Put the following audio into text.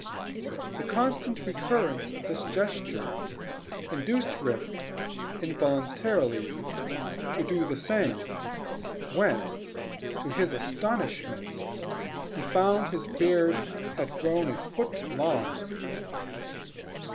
The constant recurrence of this gesture induced Rip, involuntarily, to do the same, when, to his astonishment, he found his beard had grown a foot long!